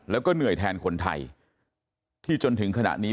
แล้วก็เหนื่อยแทนคนไทยที่จนถึงขณะนี้